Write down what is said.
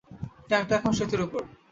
ট্যাঙ্কটা এখন সেতুর উপর।